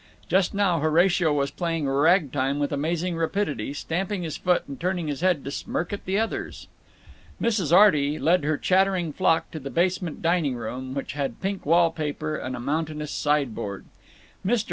Just now Horatio was playing ragtime with amazing rapidity, stamping his foot and turning his head to smirk at the others. Mrs. Arty led her chattering flock to the basement dining room, which had pink wall paper and a mountainous sideboard. Mr.